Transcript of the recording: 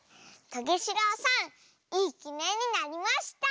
トゲしろうさんいいきねんになりました！